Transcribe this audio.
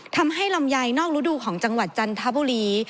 ทำให้ลำไยนอกฤดูของจังหวัดจันทบุรี